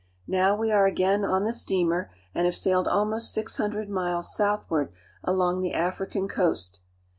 Now we are again on the steamer and have sailed almost six hundred miles southward along the African coast.